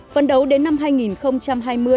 phân đấu đến năm hai nghìn hai mươi